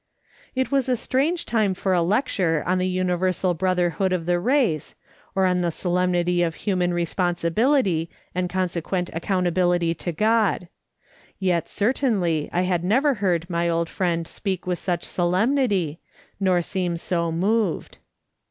" It was a strange time for a lecture on the universal brotherhood of the race, or on the solemnity of human responsibility, and consequent accountability to God. Yet certainly I had never heard my old friend speak with such solemnity, nor seem so moved.